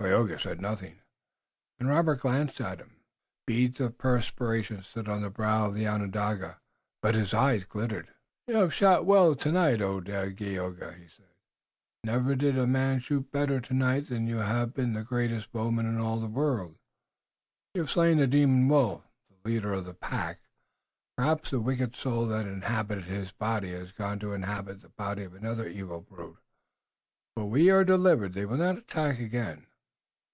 Tayoga said nothing, and Robert glanced at him. Beads of perspiration stood on the brow of the Onondago, but his eyes glittered. "You have shot well tonight, O Dagaeoga," he said. "Never did a man shoot better. Tonight you have been the greatest bowman in all the world. You have slain the demon wolf, the leader of the pack. Perhaps the wicked soul that inhabited his body has gone to inhabit the body of another evil brute, but we are delivered. They will not attack again."